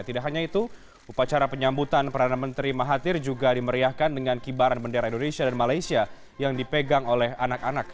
tidak hanya itu upacara penyambutan perdana menteri mahathir juga dimeriahkan dengan kibaran bendera indonesia dan malaysia yang dipegang oleh anak anak